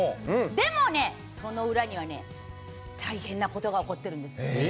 でも、その裏には大変なことが起こってるんです。